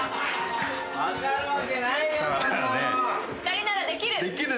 ２人ならできる。